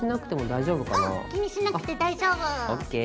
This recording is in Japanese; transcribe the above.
気にしなくて大丈夫。